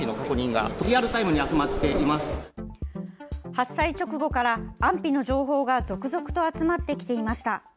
発災直後から安否の情報が続々と集まってきていました。